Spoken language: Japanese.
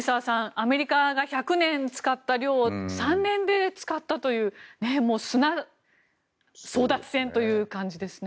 アメリカが１００年使った量を３年で使ったという砂争奪戦という感じですね。